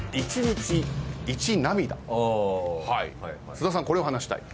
菅田さんこれを話したい。